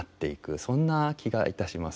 そんな気がいたします。